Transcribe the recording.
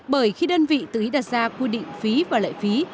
bởi khi đơn vị tự ý đặt ra quy định phí và lệ phí